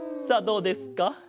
さあどうですか？